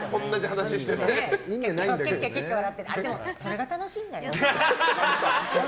キャッキャ笑ってでも、それが楽しいんだよ。